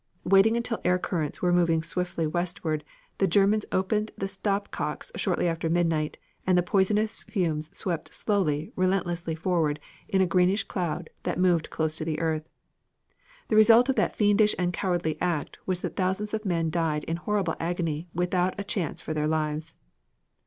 Waiting until air currents were moving steadily westward, the Germans opened the stop cocks shortly after midnight and the poisonous fumes swept slowly, relentlessly forward in a greenish cloud that moved close to the earth. The result of that fiendish and cowardly act was that thousands of men died in horrible agony without a chance for their lives.